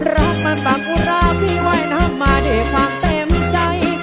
รักมันบ้างกุระพี่ไว้น้ำมาเด่ฟังเต็มใจ